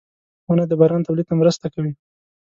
• ونه د باران تولید ته مرسته کوي.